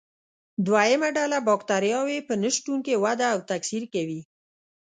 دوهمه ډله بکټریاوې په نشتون کې وده او تکثر کوي.